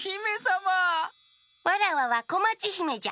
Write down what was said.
わらわはこまちひめじゃ。